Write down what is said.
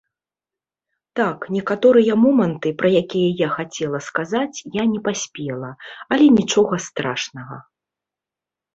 Так, некаторыя моманты, пра якія я хацела сказаць, я не паспела, але нічога страшнага.